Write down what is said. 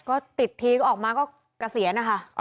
ก็ติดทีออกมาก็เกษียณอ่าค่ะ